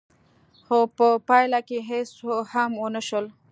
خو په پايله کې هېڅ هم ونه شول.